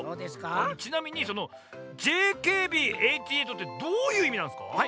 ちなみにその「ＪＫＢ８８」ってどういういみなんすか？